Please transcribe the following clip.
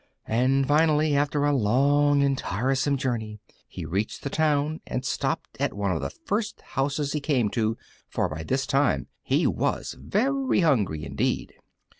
And finally, after a long and tiresome journey, he reached the town and stopped at one of the first houses he came to, for by this time he was very hungry indeed.